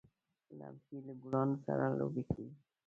لمسی له ګلانو سره لوبې کوي.